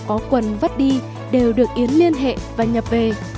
có quần vắt đi đều được yến liên hệ và nhập về